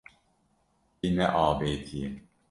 Wî neavêtiye.